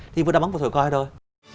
thì vừa đáp ứng với thổi coi thôi